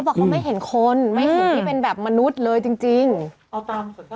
เขาบอกเขาไม่เห็นคนไม่เห็นที่เป็นแบบมนุษย์เลยจริงจริงเสียง